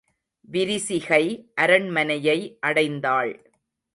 விரிசிகை அரண்மனையை அடைந்தாள்.